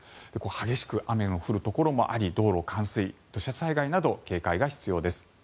激しく雨の降るところもあり道路の冠水土砂災害など、警戒が必要です。